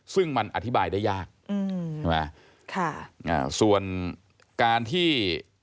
ซึ่งมันอธิบายได้ยากอืมใช่ไหมค่ะอ่าส่วนการที่